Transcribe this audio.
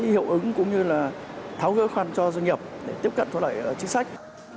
kết thúc cũng như là tháo gỡ khoản cho doanh nghiệp để tiếp cận thuận lợi chính sách